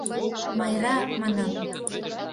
— Майра, манам...